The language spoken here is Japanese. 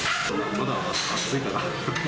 まだ暑いから。